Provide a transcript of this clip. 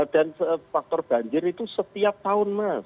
dan faktor banjir itu setiap tahun mas